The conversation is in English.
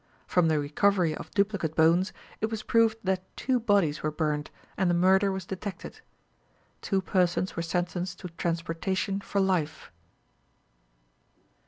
From the recovery of duplicate bones, it was proved that two bodies were burnt, and the murder was detected. Two persons were sentenced to transportation for life.